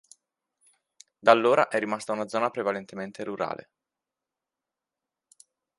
Da allora è rimasta una zona prevalentemente rurale.